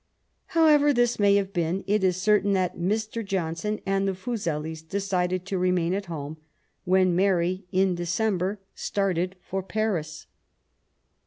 However this may have been, it is certain that Mr, Johnson and the Fuselis decided to remain at home when Mary in December started for Paris.